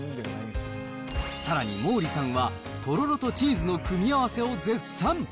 さらに毛利さんは、とろろとチーズの組み合わせを絶賛。